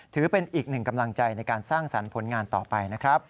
ถือเป็นอีกหนึ่งกำลังใจในการสร้างสรรค์ผลงานต่อไปนะครับ